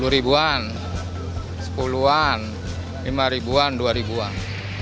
dua puluh ribuan sepuluh an lima ribuan dua ribuan